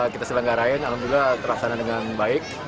kita selenggarain alhamdulillah terlaksana dengan baik